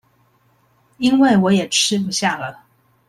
因為我也吃不下了